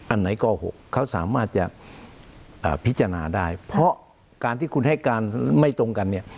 อันไหนโกหกเขาสามารถจะพิจารณาได้เพราะการที่คุณให้การไม่ตรงกันเนี่ย